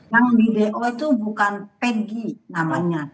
yang di do itu bukan pegi namanya